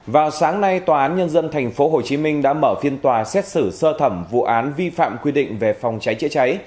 vào sáng nay tòa án nhân dân tp hcm đã mở phiên tòa xét xử sơ thẩm vụ án vi phạm quy định về phòng cháy chữa cháy